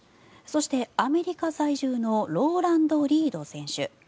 そして、アメリカ在住のローランド・リード選手。